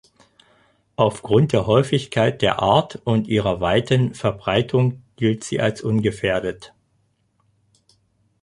Aufgrund der Häufigkeit der Art und ihrer weiten Verbreitung gilt sie als ungefährdet.